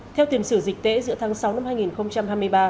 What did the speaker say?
theo tiền sử dịch tễ giữa tháng sáu năm hai nghìn hai mươi ba